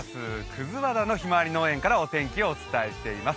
葛和田のひまわり農園からお天気をお伝えしています。